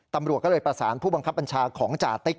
ตำรวจก็เลยประสานผู้บังคับบัญชาของจ่าติ๊ก